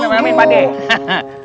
tambahin pake pake pake pake pake